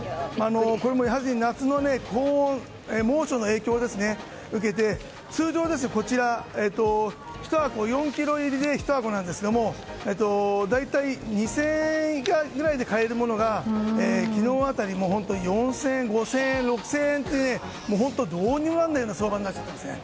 これも、やはり夏の猛暑の影響を受けて通常、４ｋｇ入りで１箱なんですけれども大体２０００円以下で買えるものが昨日辺り、４０００円５０００円、６０００円と本当どうにもならないような相場になっちゃったんですね。